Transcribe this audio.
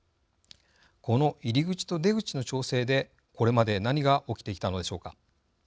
この入り口と出口の調整でこれまで何が起きてきたのでしょうか。